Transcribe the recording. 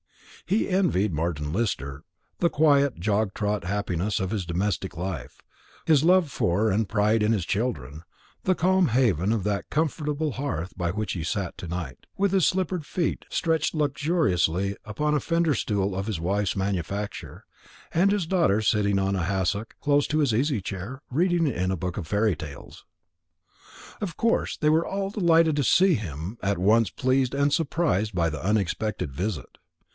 He envied Martin Lister the quiet jog trot happiness of his domestic life; his love for and pride in his children; the calm haven of that comfortable hearth by which he sat to night, with his slippered feet stretched luxuriously upon a fender stool of his wife's manufacture, and his daughter sitting on a hassock close to his easy chair, reading in a book of fairy tales. Of course they were all delighted to see him, at once pleased and surprised by the unexpected visit.